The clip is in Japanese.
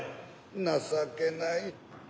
情けない。